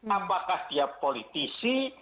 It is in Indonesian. apakah dia politisi